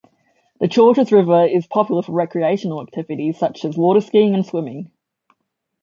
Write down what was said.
The Georges River is popular for recreational activities such as water skiing and swimming.